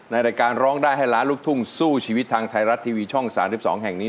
รายการร้องได้ให้ล้านลูกทุ่งสู้ชีวิตทางไทยรัฐทีวีช่อง๓๒แห่งนี้